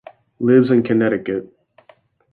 Lives in Connecticut.